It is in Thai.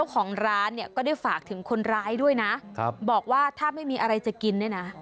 ของร้านเนี่ยก็ได้ฝากถึงคนร้ายด้วยนะบอกว่าถ้าไม่มีอะไรจะกินเนี่ยนะ